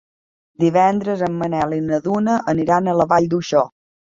Divendres en Manel i na Duna aniran a la Vall d'Uixó.